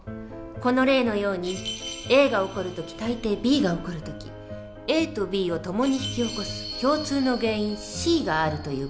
この例のようにＡが起こる時たいていＢが起こる時ＡとＢを共に引き起こす共通の原因Ｃがあるという場合があるの。